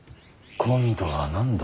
今度は何だ。